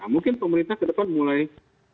mungkin pemerintah ke depan mulai harus berpikir